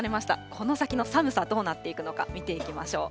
この先の寒さ、どうなっていくのか、見ていきましょう。